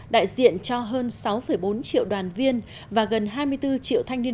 đại diện cho hơn sáu bốn triệu đoàn viên và gần hai mươi bốn triệu thanh niên